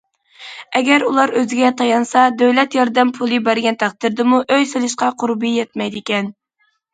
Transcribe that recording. ئەگەر ئۇلار ئۆزىگە تايانسا، دۆلەت ياردەم پۇلى بەرگەن تەقدىردىمۇ ئۆي سېلىشقا قۇربى يەتمەيدىكەن.